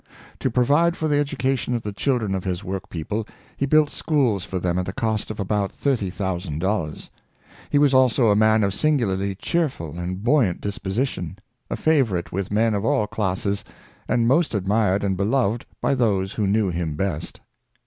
To provide for the education of the children of his work people, he built schools for them at the cost of about $30,000. He was also a man of singularly cheerful and buoyant disposition, a favorite with men of all clas ses, and most admired and beloved by those who knew him best.